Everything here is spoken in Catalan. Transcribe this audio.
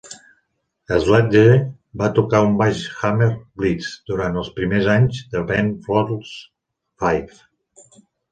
Sledge va tocar un baix Hamer Blitz durant els primers anys de Ben Folds Five.